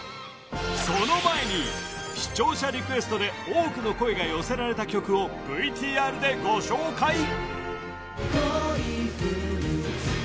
その前に視聴者リクエストで多くの声が寄せられた曲をＶＴＲでご紹介！